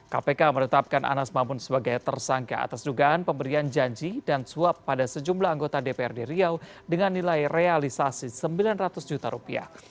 kpk menetapkan anas mamun sebagai tersangka atas dugaan pemberian janji dan suap pada sejumlah anggota dprd riau dengan nilai realisasi rp sembilan ratus juta rupiah